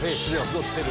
踊ってる。